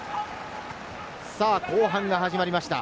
後半が始まりました。